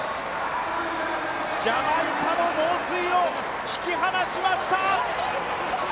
ジャマイカの猛追を引き離しました。